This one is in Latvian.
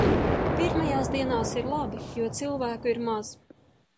Pirmajās dienās ir labi, jo cilvēku ir maz.